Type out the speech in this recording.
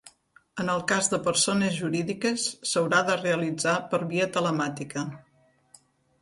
En el cas de persones jurídiques s'haurà de realitzar per via telemàtica.